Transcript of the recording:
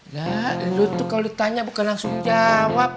nah lo tuh kalau ditanya bukan langsung jawab